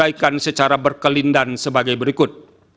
dan diuraikan secara berkelindan sebagai berikut